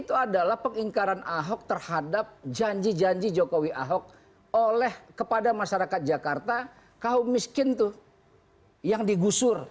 itu adalah pengingkaran ahok terhadap janji janji jokowi ahok oleh kepada masyarakat jakarta kaum miskin tuh yang digusur